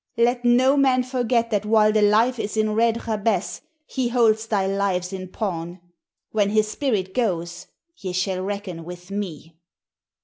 "Let no man forget that while the life is in Red Jabez he holds thy lives in pawn. When his spirit goes, ye shall reckon with me!"